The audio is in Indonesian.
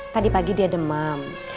tadi pagi dia demam